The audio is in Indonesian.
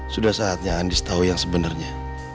sudah saatnya andis tahu yang sebenarnya